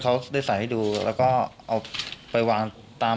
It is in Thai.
จากนั้นก็จะนำมาพักไว้ที่ห้องพลาสติกไปวางเอาไว้ตามจุดนัดต่าง